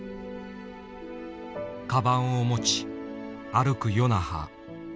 かばんを持ち歩く与那覇。